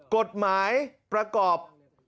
กฎหมายประกอบ